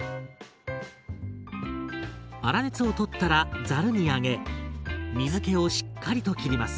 粗熱を取ったらざるに上げ水けをしっかりと切ります。